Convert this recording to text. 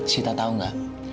sita tahu nggak